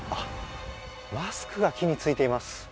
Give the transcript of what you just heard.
マスクが木についています。